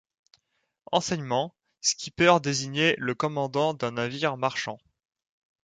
Anciennement, skipper désignait le commandant d'un navire marchand.